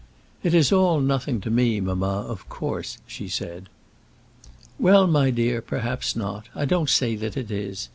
"It is all nothing to me, mamma, of course," she said. "Well, my dear, perhaps not. I don't say that it is.